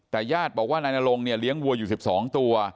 แต่ญาติบอกว่านายนรงเนี่ยเลี้ยงวัวอยู่๑๒ตัว